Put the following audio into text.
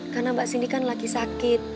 karena mbak cindy kan lagi sakit